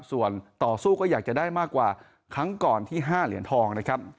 ส่วนต่อสู้ก็อยากจะได้มากกว่าครั้งก่อนที่๕เหรียญทองนะครับ